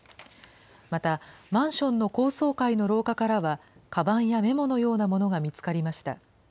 また、マンションの高層階の廊下からは、かばんやメモのようなものが見つかりました。